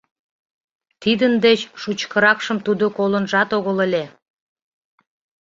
Тидын деч шучкыракшым тудо колынжат огыл ыле.